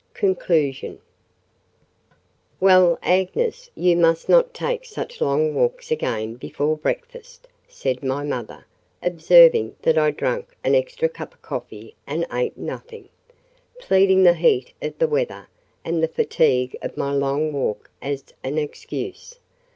CONCLUSION "Well, Agnes, you must not take such long walks again before breakfast," said my mother, observing that I drank an extra cup of coffee and ate nothing—pleading the heat of the weather, and the fatigue of my long walk as an excuse.